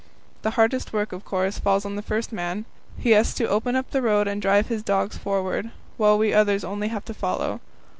The hardest work, of course, falls on the first man. He has to open up the road and drive his dogs forward, while we others have only to follow.